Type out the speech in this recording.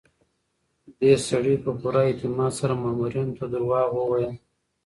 دې سړي په پوره اعتماد سره مامورینو ته دروغ وویل.